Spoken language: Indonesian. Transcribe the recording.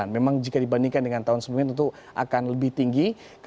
memang jika dibandingkan dengan tahun sebelumnya tentu akan lebih tinggi